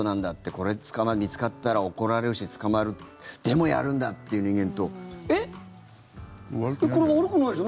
これ、見つかったら怒られるし、捕まるでもやるんだっていう人間とえっ、これ悪くないでしょ？